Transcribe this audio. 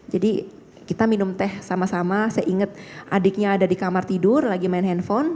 jadi kita minum teh sama sama saya inget adiknya ada di kamar tidur lagi main handphone